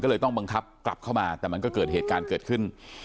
ก็เลยต้องบังคับกลับเข้ามาแต่มันก็เกิดเหตุการณ์เกิดขึ้น